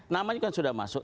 nama juga sudah masuk